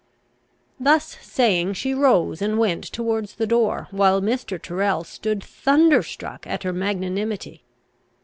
Thus saying, she rose, and went towards the door, while Mr. Tyrrel stood thunderstruck at her magnanimity.